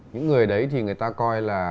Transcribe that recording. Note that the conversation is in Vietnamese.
những người đấy thì người ta coi là